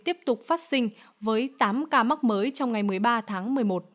huyện nam trực tiếp tục phát sinh với tám ca mắc mới trong ngày một mươi ba tháng một mươi một